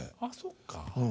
あそっか。